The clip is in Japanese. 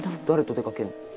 誰と出かけんの？